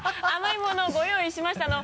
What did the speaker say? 甘い物ご用意しました。